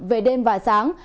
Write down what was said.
về đêm và sáng